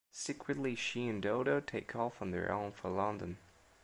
Secretly, she and Dodo take off on their own for London.